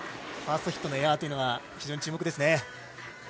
ファーストヒットのエアというのが非常に注目ですね。